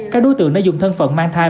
các đối tượng đã dùng thân phận mang thai